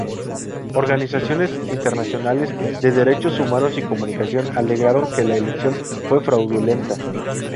Organizaciones internacionales de derechos humanos y comunicación alegaron que la elección fue fraudulenta.